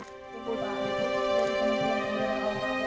kekompakan ketahanan fisik dan kekuatan mental